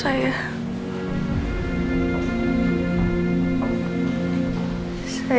saya punya banyak